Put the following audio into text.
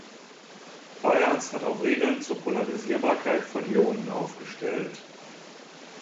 Fajans hat auch Regeln zur Polarisierbarkeit von Ionen aufgestellt.